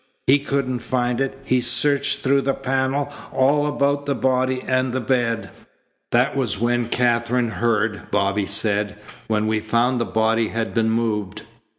He couldn't find it. He searched through the panel all about the body and the bed." "That was when Katherine heard," Bobby said, "when we found the body had been moved."